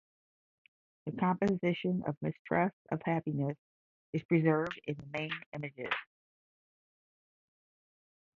The composition of mistrust of happiness is preserved in the main images.